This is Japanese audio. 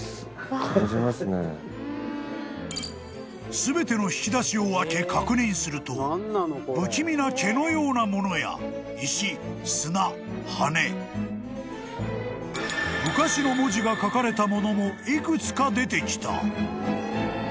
［全ての引き出しを開け確認すると不気味な毛のようなものや石砂羽根昔の文字が書かれたものも幾つか出てきた］